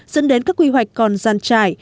dẫn đến các quy hoạch còn gian trải